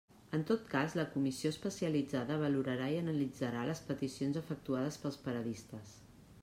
En tot cas la comissió especialitzada valorarà i analitzarà les peticions efectuades pels paradistes.